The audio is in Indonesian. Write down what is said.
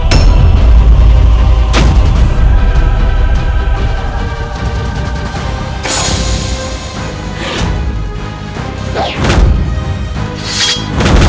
sampai jumpa di video selanjutnya